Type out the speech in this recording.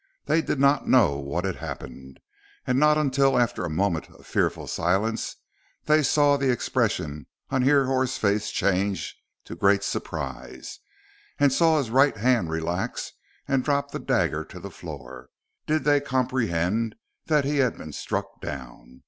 They did not know what had happened. And not until, after a moment of fearful silence, they saw the expression on Hrihor's face change to great surprise, and saw his right hand relax and drop the dagger to the floor, did they comprehend that he had been struck down.